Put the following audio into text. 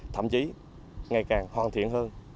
thậm chí ngày càng hoàn thiện hơn